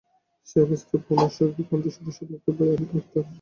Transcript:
সেই অবাস্তব, অনৈসর্গিক কণ্ঠস্বরের সমুখে ভয়ে আমি কাঁপতাম।